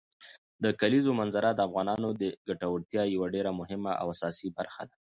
د کلیزو منظره د افغانانو د ګټورتیا یوه ډېره مهمه او اساسي برخه ده.